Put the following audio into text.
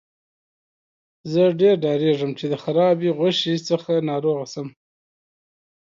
زه ډیر ډاریږم چې د خرابې غوښې څخه ناروغه شم.